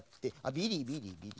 ビリビリビリ。